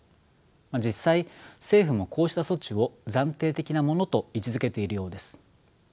実際政府もこうした措置を暫定的なものと位置づけているようです。